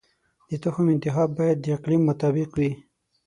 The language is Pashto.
د تخم انتخاب باید د اقلیم مطابق وي.